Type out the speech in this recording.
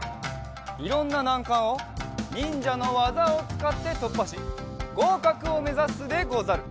いろんななんかんをにんじゃのわざをつかってとっぱしごうかくをめざすでござる！